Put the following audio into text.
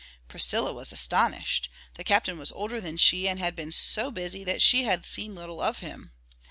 Priscilla was astonished; the Captain was older than she and had been so busy that she had seen little of him.